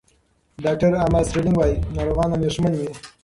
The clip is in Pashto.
ډاکټر امل سټرلینګ وايي، ناروغان اندېښمن وي.